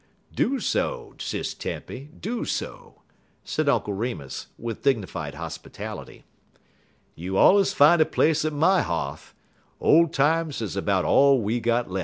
"Do so, Sis Tempy, do so," said Uncle Remus, with dignified hospitality. "You allers fine a place at my h'a'th. Ole times is about all we got lef'."